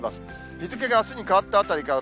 日付があすに変わったあたりから、